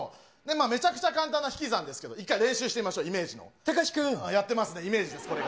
めちゃくちゃ簡単な引き算ですけど、一回練習してみましょう、たかし君。やってますね、これがイメージです。